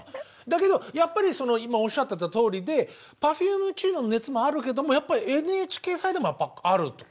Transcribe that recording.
だけどやっぱりその今おっしゃってたとおりでＰｅｒｆｕｍｅチームの熱もあるけどもやっぱりＮＨＫサイドもやっぱあるって。